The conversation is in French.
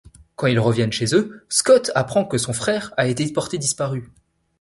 Quand ils reviennent chez eux, Scott apprend que son frère a été porté disparu.